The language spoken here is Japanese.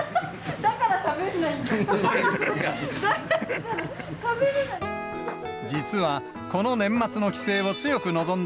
だからしゃべんないんだ！